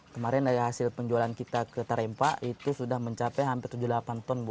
kemarin dari hasil penjualan kita ke tarempa itu sudah mencapai hampir tujuh puluh delapan ton bu